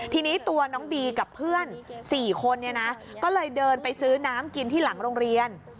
ทีนี้ตัวน้องบีกับเพื่อน๔คนเนี่ยนะก็เลยเดินไปซื้อน้ำกินที่หลังโรงเรียน